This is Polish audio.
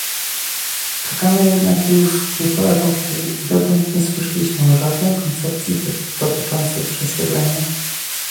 Czekamy jednak już półtora roku i dotąd nie słyszeliśmy o żadnej koncepcji dotyczącej przesiedlenia